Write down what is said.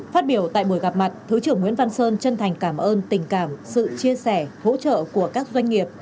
phát biểu tại buổi gặp mặt thứ trưởng nguyễn văn sơn chân thành cảm ơn tình cảm sự chia sẻ hỗ trợ của các doanh nghiệp